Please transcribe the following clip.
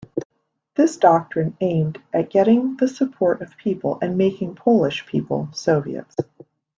This doctrine aimed at getting the support of people and making Polish people "Soviets".